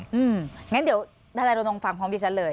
อย่างนั้นเดี๋ยวด้านไลน์ลงฟังพร้อมดีฉันเลย